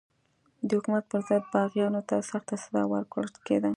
د حکومت پر ضد باغیانو ته سخته سزا ورکول کېده.